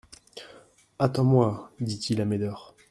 Attends-moi, dit-il à Médor.